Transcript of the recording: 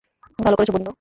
ভালো করেছ, বন্ধু।